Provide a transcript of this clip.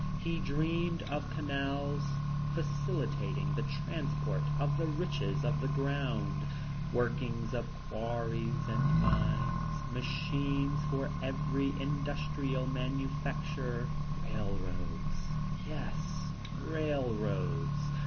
He dreamed of canals facilitating the transport of the riches of the ground; workings of quarries and mines; machines for every industrial manufacture; railroads; yes, railroads!